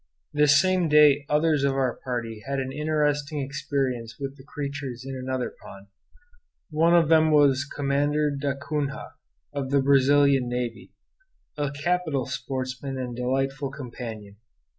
This same day others of our party had an interesting experience with the creatures in another pond. One of them was Commander da Cunha (of the Brazilian Navy), a capital sportsman and delightful companion.